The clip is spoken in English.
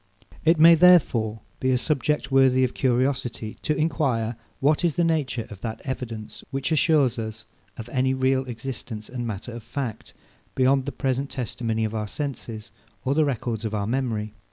It may, therefore, be a subject worthy of curiosity, to enquire what is the nature of that evidence which assures us of any real existence and matter of fact, beyond the present testimony of our senses, or the records of our memory.